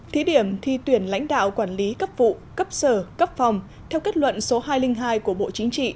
thí điểm thi tuyển lãnh đạo quản lý cấp vụ cấp sở cấp phòng theo kết luận số hai trăm linh hai của bộ chính trị